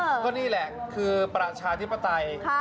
ก็นี่แหละคือประชาธิปไตย